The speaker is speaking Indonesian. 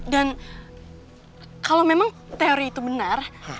dan kalau memang teori itu benar